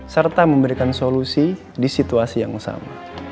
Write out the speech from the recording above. serta memberikan solusi di situasi yang sama